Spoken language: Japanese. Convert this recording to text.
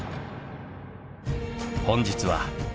本日は。